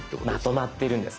まとまってるんです。